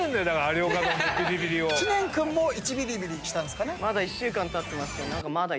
知念君も１ビリビリしたんですかね。